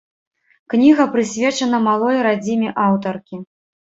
Кніга прысвечана малой радзіме аўтаркі.